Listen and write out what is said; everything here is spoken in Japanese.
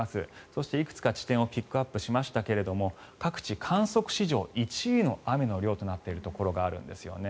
そして、いくつか地点をピックアップしましたが各地、観測史上１位の雨の量となっているところがあるんですね。